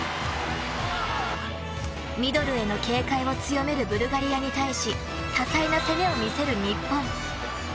ミドルへの警戒を強めるブルガリアに対し多彩な攻めを見せる日本。